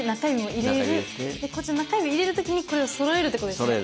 でこっちの中指入れる時にこれをそろえるってことですか？